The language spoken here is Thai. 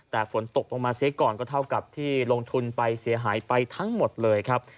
แต่ฝนตกลงมาเสียก่อนก็เท่ากับที่ลงทุนไปเสียหายไปทั้งหมดเลยครับ